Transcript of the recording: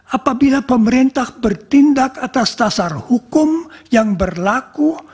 apabila pemerintah bertindak atas dasar hukum yang berlaku